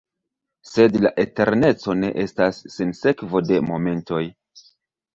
Sed la eterneco ne estas sinsekvo de momentoj!